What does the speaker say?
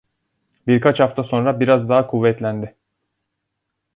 Birkaç hafta sonra biraz daha kuvvetlendi.